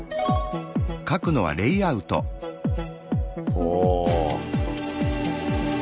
お。